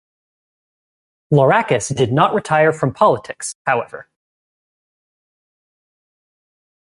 Florakis did not retire from politics, however.